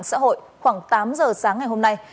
xã hội khoảng tám giờ sáng ngày hôm nay